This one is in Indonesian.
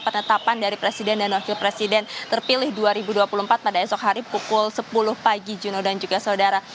penetapan dari presiden dan wakil presiden terpilih dua ribu dua puluh empat pada esok hari pukul sepuluh pagi juno dan juga saudara